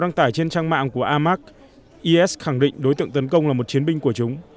đăng tải trên trang mạng của amac is khẳng định đối tượng tấn công là một chiến binh của chúng